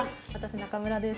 中村です。